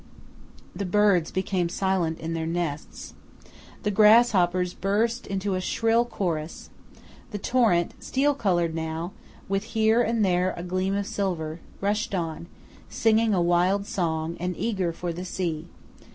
The birds became silent in their nests. The grasshoppers burst into a shrill chorus. The torrent–steel coloured now, with here and there a gleam of silver–rushed on, singing a wild song, and eager for the sea.